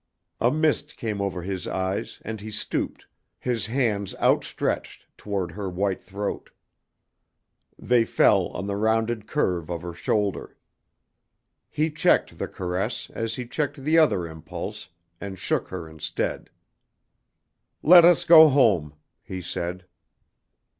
A mist came over his eyes and he stooped, his hands outstretched toward her white throat. They fell on the rounded curve of her shoulder. He checked the caress as he checked the other impulse and shook her instead. "Let us go home," he said.